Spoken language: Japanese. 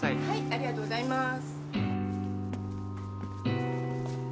ありがとうございます。